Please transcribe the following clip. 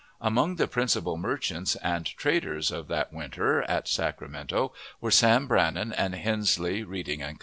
Among the principal merchants and traders of that winter, at Sacramento, were Sam Brannan and Hensley, Reading & Co.